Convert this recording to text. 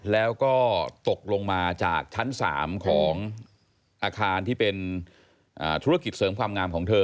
แล้วก็ตกลงมาจากชั้น๓ของอาคารที่เป็นธุรกิจเสริมความงามของเธอ